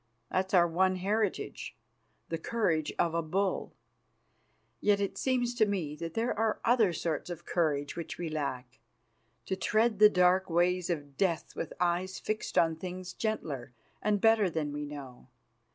That's our one heritage: the courage of a bull. Yet it seems to me that there are other sorts of courage which we lack: to tread the dark ways of death with eyes fixed on things gentler and better than we know.